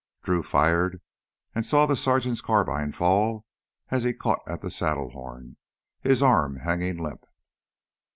Drew fired, and saw the sergeant's carbine fall as he caught at the saddle horn, his arm hanging limp.